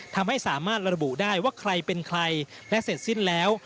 ทำให้สามารถระบุได้ว่าใครเป็นใครและเสร็จสิ้นแล้ว